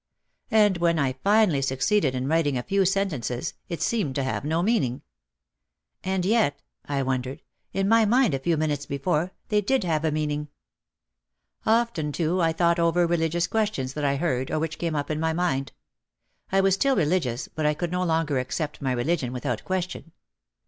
And when I finally succeeded in writing a few sentences it seemed to have no meaning. "And yet," I wondered, "in my mind a few minutes before, they did have meaning." Often too I thought over religious questions that I heard or which came up in my mind. I was still religious but I could no longer accept my religion without ques tion.